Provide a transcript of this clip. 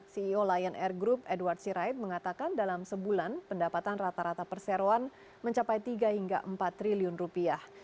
ceo lion air group edward sirait mengatakan dalam sebulan pendapatan rata rata perseroan mencapai tiga hingga empat triliun rupiah